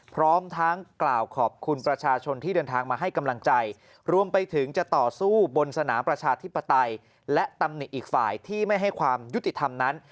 พร้อมทั้งกล่าวขอบคุณประชาชนที่เดินทางมาให้กำลังใจรวมไปถึงจะต่อสู้บนสนามประชาธิปไตยและตำหนิอีกฝ่ายที่ไม่ให้ความยุติธรรมนั้น